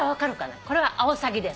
これはアオサギです。